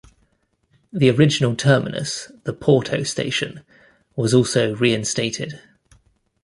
The original terminus, the Porto station, was also reinstated.